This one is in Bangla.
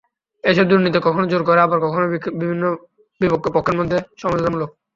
এসব দুর্নীতি কখনো জোর করে, আবার কখনো বিভিন্ন পক্ষের মধ্যে সমঝোতামূলক।